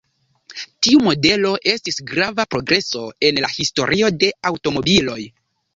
Tiu modelo estis grava progreso en la historio de aŭtomobiloj.